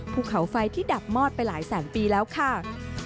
ภูเขาไฟที่ดับมอดไปหลายแสนปีแล้วค่ะ